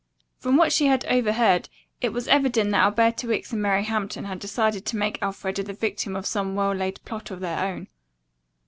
From what she had overheard it was evident that Alberta Wicks and Mary Hampton had decided to make Elfreda the victim of some well laid plot of their own.